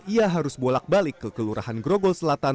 ia harus bolak balik ke kelurahan grogol selatan